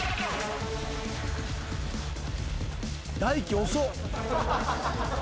大毅遅っ。